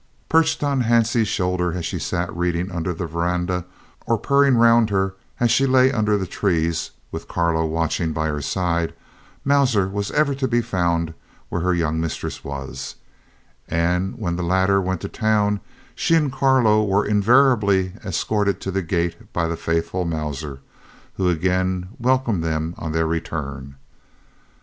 Perched on Hansie's shoulder as she sat reading under the verandah, or purring round her as she lay under the trees, with Carlo watching by her side, Mauser was ever to be found where her young mistress was; and when the latter went to town she and Carlo were invariably escorted to the gate by the faithful Mauser, who again welcomed them on their return.